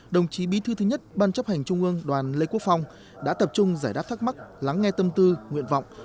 đồng chí bí thư thứ nhất ban chấp hành trung ương đoàn lê quốc phong đã tập trung giải đáp thắc mắc lắng nghe tâm tư nguyện vọng